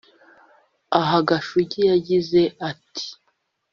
Aha Gashugi yagize ati